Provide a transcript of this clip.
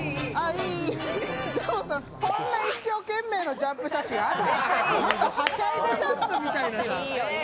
でもさ、こんな一生懸命なジャンプ写真ある？